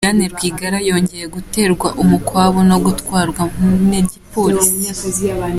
Diane Rwigara yongeye guterwa umukwabu no gutwarwa n'igipolisi.